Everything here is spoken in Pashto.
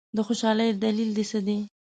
د خوشالۍ دلیل دي څه دی؟